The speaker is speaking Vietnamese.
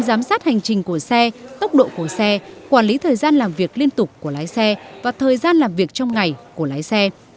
giám sát hành trình của xe tốc độ của xe quản lý thời gian làm việc liên tục của lái xe và thời gian làm việc trong ngày của lái xe